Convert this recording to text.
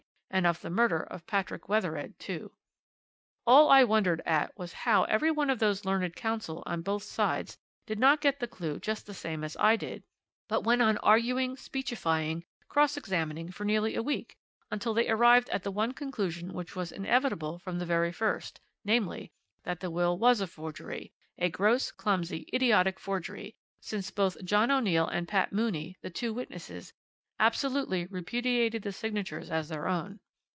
and of the murder of Patrick Wethered too. "All I wondered at was how every one of those learned counsel on both sides did not get the clue just the same as I did, but went on arguing, speechifying, cross examining for nearly a week, until they arrived at the one conclusion which was inevitable from the very first, namely, that the will was a forgery a gross, clumsy, idiotic forgery, since both John O'Neill and Pat Mooney, the two witnesses, absolutely repudiated the signatures as their own.